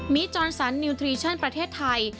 มีจรสันนิวทรีชั่นประเทศไทย